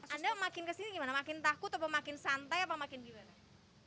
anda makin kesini gimana makin takut apa makin santai apa makin gimana